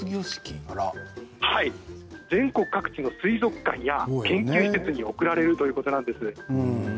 全国各地の水族館や研究施設に送られるということなんです。